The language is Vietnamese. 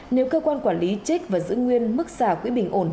nếu cơ quan quản lý trích và giữ nguyên mức xả quỹ bình ổn